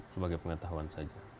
sebagai pengetahuan saja